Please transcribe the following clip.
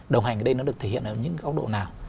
đồng hành ở đây nó được thể hiện ở những góc độ nào